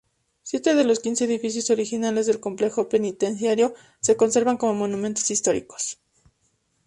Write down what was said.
Siete de los quince edificios originales del complejo penitenciario se conservan como monumentos históricos.